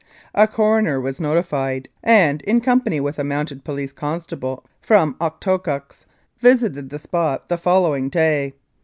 A coroner was notified, and in company with a Mounted Police con stable from Okotoks, visited the spot on the following day.